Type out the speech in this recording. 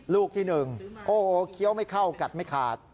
ลูกที่๑โอ้โหเคี้ยวไม่เข้ากัดไม่ขาด